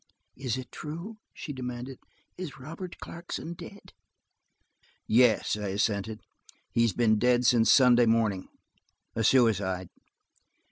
"Is it true?" she demanded. "Is Robert Clarkson dead?" "Yes," I assented. "He has been dead since Sunday morning–a suicide."